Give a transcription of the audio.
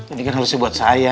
tadi kan harusnya buat saya